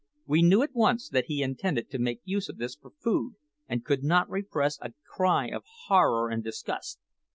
We knew at once that he intended to make use of this for food, and could not repress a cry of horror and disgust.